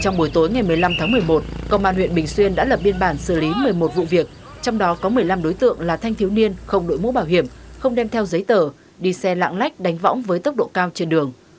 trong buổi tối ngày một mươi năm tháng một mươi một công an huyện bình xuyên đã lập biên bản xử lý một mươi một vụ việc trong đó có một mươi năm đối tượng là thanh thiếu niên không đội mũ bảo hiểm không đem theo giấy tờ đi xe lạng lách đánh võng với tốc độ cao trên đường